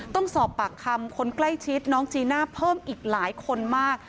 ต้องสอบปากคำคนใกล้ชิดน้องจีน่าเพิ่มอีกหลายคนมาก